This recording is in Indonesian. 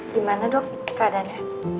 gimana dok keadaannya